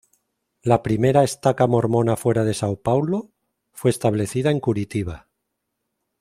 La primera "estaca" mormona fuera de Sao Paulo fue establecida en Curitiba.